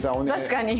確かに。